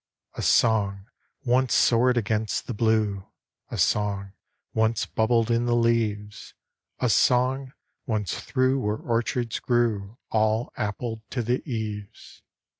A song, one soared against the blue; A song, one bubbled in the leaves; A song, one threw where orchards grew All appled to the eaves.